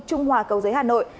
trung hòa cầu giấy hà nội